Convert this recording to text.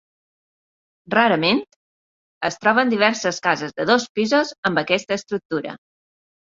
Rarament, es troben diverses cases de dos pisos amb aquesta estructura.